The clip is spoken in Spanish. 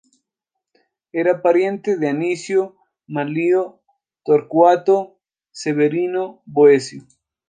Era pariente de Anicio Manlio Torcuato Severino Boecio.